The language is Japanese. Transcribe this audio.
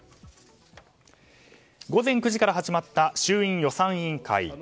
午前９時から始まった衆院予算委員会。